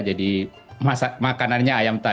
jadi makanannya ayam tali